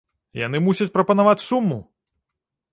Яны мусяць прапанаваць суму!